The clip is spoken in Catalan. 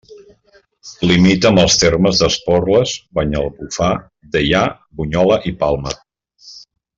Limita amb els termes d'Esporles, Banyalbufar, Deià, Bunyola i Palma.